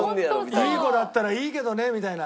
「いい子だったらいいけどね」みたいな。